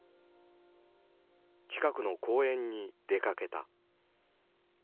近くの公園に出かけた。